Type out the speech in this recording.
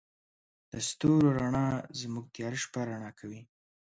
د ستورو رڼا زموږ تیاره شپه رڼا کوي.